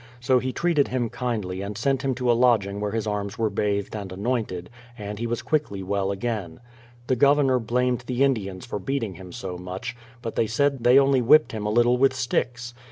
So he treated him kindly and sent him to a lodging where his arms were bathed and anointed, and he was quickly well again. The Governor blamed the Indians for beating him so much, but they said they only 238 BRADFORD'S HISTORY OP whipped him a httle with sticks